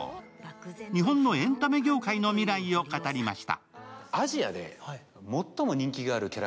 日本のエンタメ業界の未来を語りました。